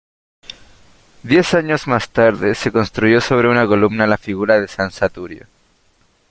Diez años más tarde se construyó sobre una columna la figura de San Saturio.